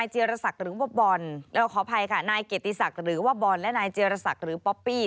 หรือว่าบอลและนายเจียรศักดิ์หรือป๊อปปี้